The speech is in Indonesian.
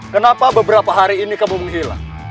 kenapa beberapa hari ini kamu menghilang